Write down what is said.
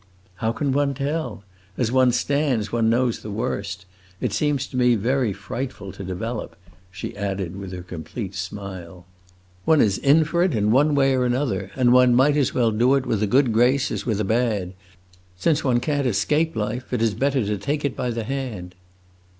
"How can one tell? As one stands, one knows the worst. It seems to me very frightful to develop," she added, with her complete smile. "One is in for it in one way or another, and one might as well do it with a good grace as with a bad! Since one can't escape life, it is better to take it by the hand."